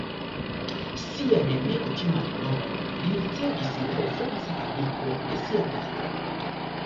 Sian nekutiman nomon li ricevis laŭ franca amiko de sia patro.